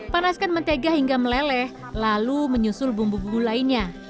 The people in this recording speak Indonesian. panaskan mentega hingga meleleh lalu menyusul bumbu bumbu lainnya